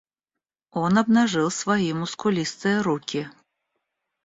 Он обнажил свои мускулистые руки.